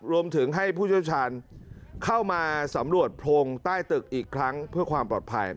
รวมถึงให้ผู้เชี่ยวชาญเข้ามาสำรวจโพรงใต้ตึกอีกครั้งเพื่อความปลอดภัย